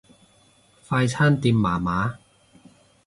快餐店麻麻